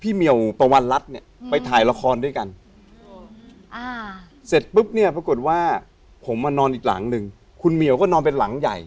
ผมยาวอย่างเงี้ยหรอ